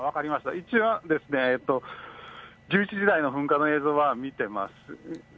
一応、１１時台の噴火の映像は見てます。